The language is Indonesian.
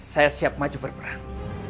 saya siap maju berperang